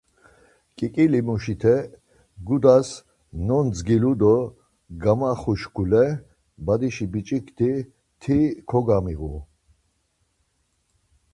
Ǩiǩili muşite gudas nondzgilu do gamaxu şkule badişi biç̌ik ti kogamiğu.